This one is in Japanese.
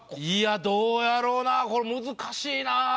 どうやろうなこれ難しいな。